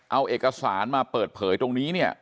เอาเอกสารมาเปิดเผยตรงนี้เนี่ย